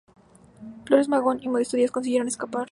Flores Magón y Modesto Díaz consiguieron escapar.